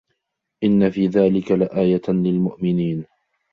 إن في ذلك لآية للمؤمنين